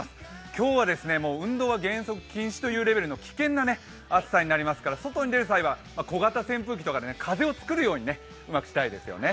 今日は運動は原則禁止というレベルの危険な暑さになりますから外に出る際は小型扇風機とかで風を作るようにうまくしたいですよね。